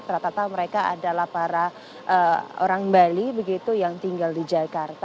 ternyata mereka adalah para orang bali yang tinggal di jakarta